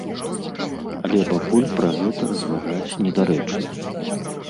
Але пакуль пра гэта разважаць недарэчна.